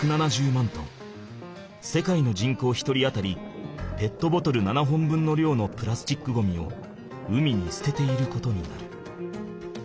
世界の人口１人当たりペットボトル７本分のりょうのプラスチックゴミを海にすてていることになる。